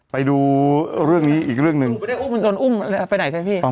ไปดูเรื่องนี้อีกเรื่องหนึ่งไม่ได้อุ้มมันโดนอุ้มไปไหนใช่ไหมพี่